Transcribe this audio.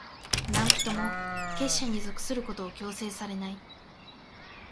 何人も、結社に属することを強制されない。